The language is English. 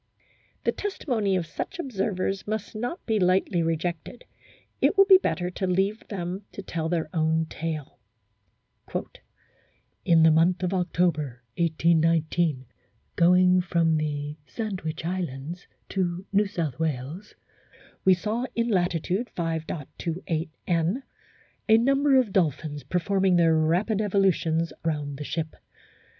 The testimony of such observers must not be lightly rejected ; it will be better to leave them to tell their own tale : "In the month of October, 1819, going from the Sandwich Islands to New South Wales we saw in latitude 5.28 N. a number of dolphins performing their rapid evolutions round the ship.